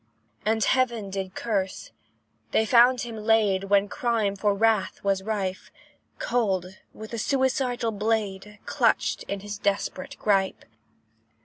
And heaven did curse they found him laid, When crime for wrath was rife, Cold with the suicidal blade Clutched in his desperate gripe.